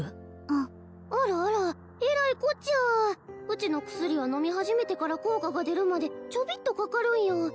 うんあらあらえらいこっちゃうちの薬は飲み始めてから効果が出るまでちょびっとかかるんよ